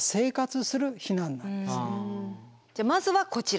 じゃあまずはこちら。